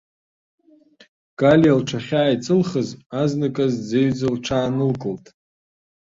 Галиа лҽахьааиҵылхыз, азныказ дӡеҩӡа лҽаанылкылт.